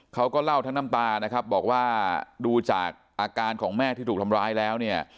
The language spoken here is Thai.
เขาก็เล่าทั้งน้ำตานะครับบอกว่าดูจากอาการของแม่ที่ถูกทำร้ายแล้วเนี่ย